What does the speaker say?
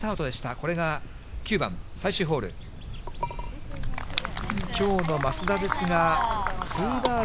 これが９番、最終ホール。